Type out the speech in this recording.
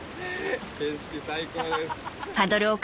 景色最高です。